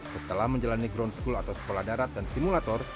setelah menjalani ground school atau sekolah darat dan simulator